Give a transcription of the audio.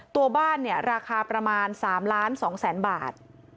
ตัวบ้านเนี่ยราคาประมาณ๓ล้าน๒แสนบาท